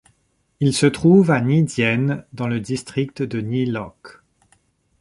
Il se trouve à Nghi Dien, dans le district de Nghi Loc.